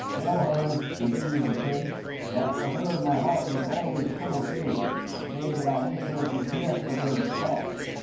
"Tell her," continued the prince, "that for her my heart is always full of favor. Say that I wish her to care for her health.